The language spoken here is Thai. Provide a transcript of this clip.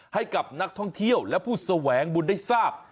ให้กับนักท่องเที่ยวและผู้แสวงบุญได้ทราบ